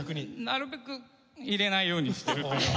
なるべく入れないようにしてるというか。